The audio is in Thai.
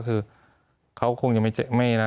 มีความรู้สึกว่ามีความรู้สึกว่า